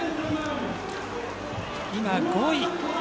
今、５位。